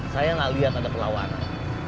saya gak liat ada pelawanan